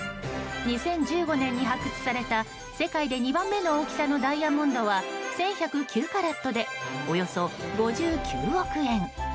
２０１５年に発掘された世界で２番目の大きさのダイヤモンドは１１０９カラットでおよそ５９億円。